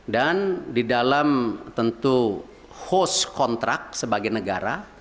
dan di dalam tentu host kontrak sebagai negara